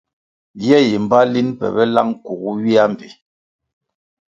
Ye yi mbpa linʼ mpebe lang kugu ywia mbpi.